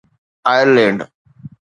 Ireland